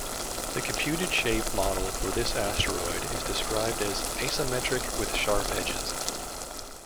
The computed shape model for this asteroid is described as "asymmetric with sharp edges".